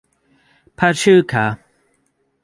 Pachuca.